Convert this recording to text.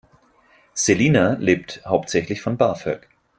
Selina lebt hauptsächlich von BAföG.